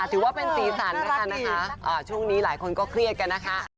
ถือว่าเป็นสีสันแล้วกันนะคะช่วงนี้หลายคนก็เครียดกันนะคะ